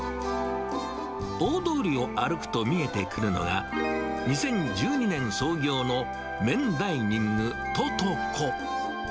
大通りを歩くと見えてくるのが、２０１２年創業の麺ダイニングととこ。